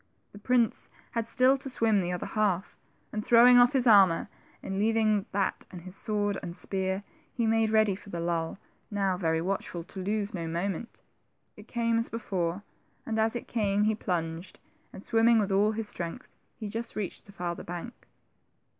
The prince had still to swim the other half, and throwing off his ai'mor, and leaving that and his sword and spear, he made ready for the lull, now very watchful to lose no moment. It came as before, and as it came, he plunged, and sWimming with all his strength he just reached the farther bank.